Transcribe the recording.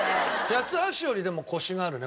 八ッ橋よりでもコシがあるね